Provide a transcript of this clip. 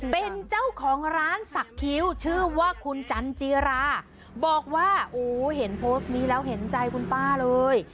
เป็นเจ้าของร้านสักคิ้วชื่อว่าคุณจันจีราบอกว่าโอ้เห็นโพสต์นี้แล้วเห็นใจคุณป้าเลย